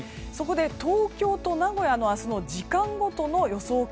そこで、東京と名古屋の明日の時間ごとの予想